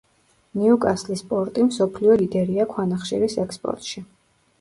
ნიუკასლის პორტი მსოფლიო ლიდერია ქვანახშირის ექსპორტში.